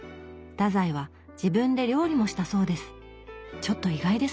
太宰は自分で料理もしたそうです。